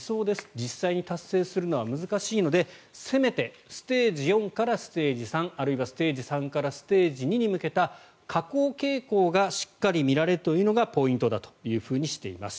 実際に達成をするのは難しいのでせめてステージ４からステージ３あるいはステージ３からステージ２に向けた下降傾向がしっかり見られるというのがポイントだとしています。